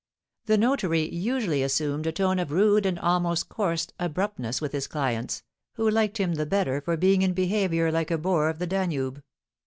The notary usually assumed a tone of rude and almost coarse abruptness with his clients, who liked him the better for being in behaviour like a boor of the Danube.